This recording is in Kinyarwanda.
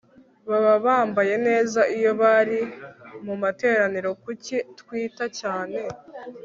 baba bambaye neza iyo bari mu materaniro Kuki twita cyane